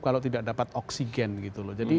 kalau tidak dapat oksigen gitu loh jadi